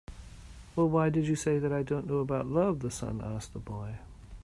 "Well, why did you say that I don't know about love?" the sun asked the boy.